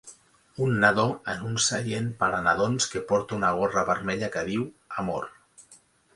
Un nadó en un seient per a nadons que porta una gorra vermella que diu: amor.